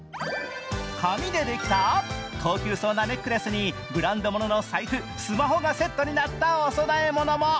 紙でできた高級そうなネックレスにブランドものの財布、スマホがセットになったお供え物も。